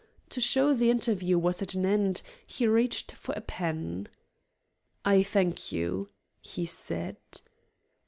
To show the interview was at an end, he reached for a pen. "I thank you," he said.